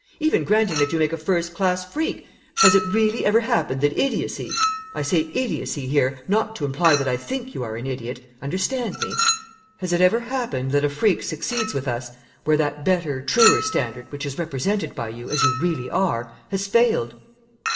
Even granting that you make a first class freak, has it really ever happened that idiocy I say idiocy here not to imply that I think you are an idiot, understand me has it ever happened that a freak succeeds with us where that better, truer standard which is represented by you as you really are has failed?"